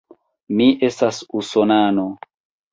Mi estas usonano.